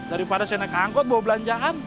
daripada saya naik angkot bawa belanjaan